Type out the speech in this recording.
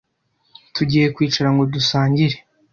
Tugiye kwicara ngo dusangire.